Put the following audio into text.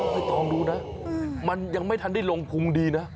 ไม่ต้องดูนะมันยังไม่ทันได้ลงพุงดีนะ